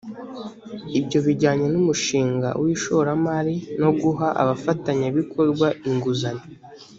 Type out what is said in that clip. ibyo bijyanye n umushinga w ishoramari no guha abafatanyabikorwa inguzanyo